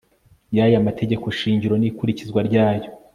y aya Mategeko Shingiro n ikurikizwa ryayo